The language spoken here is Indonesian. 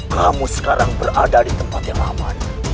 kamu sekarang berada di tempat yang aman